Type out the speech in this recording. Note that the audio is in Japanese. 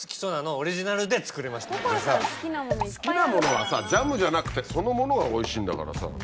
あのさ好きなものはさジャムじゃなくてそのものがおいしいんだからさ。